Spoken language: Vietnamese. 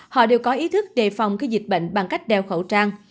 họ đều có ý thức đề phòng khi dịch bệnh bằng cách đeo khẩu trang